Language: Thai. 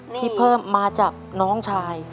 ที่เพิ่มมาจากน้องชาย